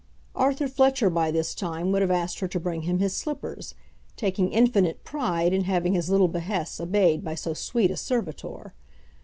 Arthur Fletcher by this time would have asked her to bring him his slippers, taking infinite pride in having his little behests obeyed by so sweet a servitor.